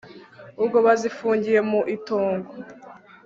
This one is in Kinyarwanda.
ubwo bazifungiye mu itongo